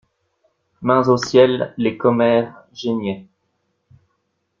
Mains au ciel, les commères geignaient.